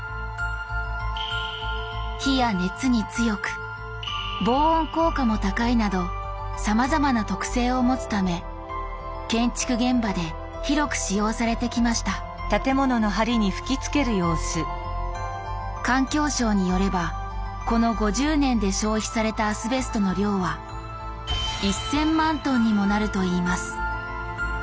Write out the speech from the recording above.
火や熱に強く防音効果も高いなどさまざまな特性を持つため建築現場で広く使用されてきました環境省によればこの５０年で消費されたアスベストの量は１０００万ｔにもなるといいます。